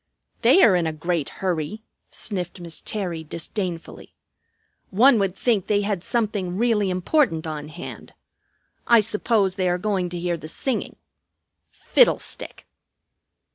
"They are in a great hurry," sniffed Miss Terry disdainfully. "One would think they had something really important on hand. I suppose they are going to hear the singing. Fiddlestick!"